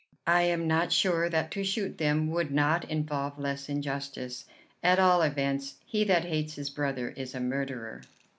I am not sure that to shoot them would not involve less injustice. At all events, he that hates his brother is a murderer."